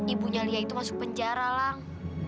ibunya lia itu masuk penjara bang